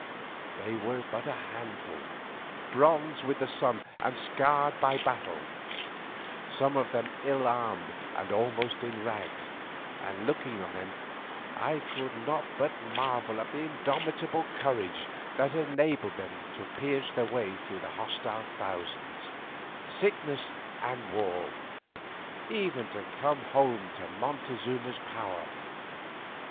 They were but a handful, bronzed with the sun and scarred by battle, some of them ill armed and almost in rags, and looking on them I could not but marvel at the indomitable courage that had enabled them to pierce their way through hostile thousands, sickness, and war, even to the home of Montezuma's power.